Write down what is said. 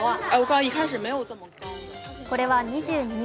これは２２日